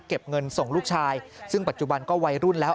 เก็บเงินส่งลูกชายซึ่งปัจจุบันก็วัยรุ่นแล้ว